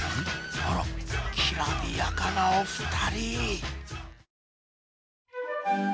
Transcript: あらきらびやかなお２人！